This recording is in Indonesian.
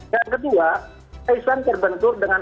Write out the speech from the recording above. yang kedua islam terbentur dengan